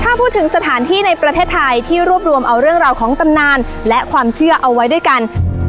ถ้าพูดถึงสถานที่ในประเทศไทยที่รวบรวมเอาเรื่องราวของตำนานและความเชื่อเอาไว้ด้วยกัน